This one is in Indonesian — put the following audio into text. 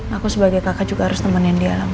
aku sebagai kakak juga harus temenin dia lah mas